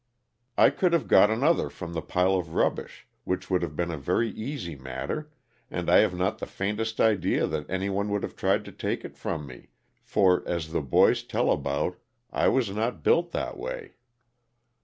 I could have got another from the pile of rubbish, which would have been a very easy matter, and I have not the faintest idea that anyone would have tried to take it from me, for, as the boys tell about, "I was not built that way.'